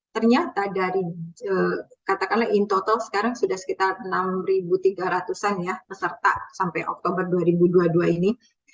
ternyata dari katakanlah in total sekarang sudah sekitar enam tiga ratus an ya peserta sampai oktober dua ribu dua puluh dua ini